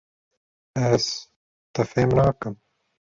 Ez, te fêm nakim.